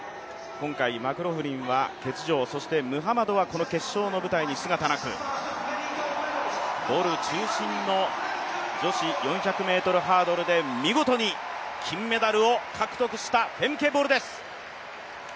今回、マクローフリンは欠場、そしてムハマドはここに姿なく、ボル中心の女子４００ｍハードルで見事に金メダルを獲得したフェムケ・ボルです！